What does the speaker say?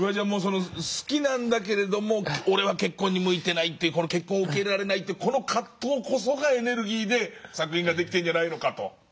好きなんだけれども俺は結婚に向いてない結婚を受け入れられないというこの葛藤こそがエネルギーで作品が出来てるんじゃないのかと。